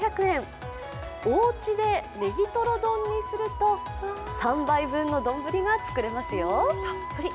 おうちでネギトロ丼にすると３杯分の丼が作れますよ。